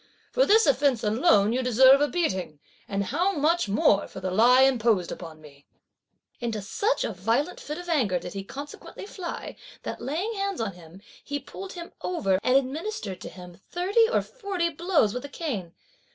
for this offence alone you deserve a beating, and how much more for the lie imposed upon me." Into such a violent fit of anger did he consequently fly that laying hands on him, he pulled him over and administered to him thirty or forty blows with a cane.